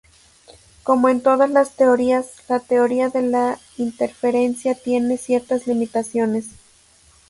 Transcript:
Como en todas las teorías, la teoría de la interferencia tiene ciertas limitaciones.